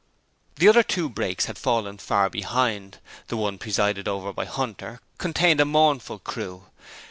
The other two brakes had fallen far behind. The one presided over by Hunter contained a mournful crew.